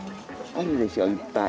あるでしょいっぱい。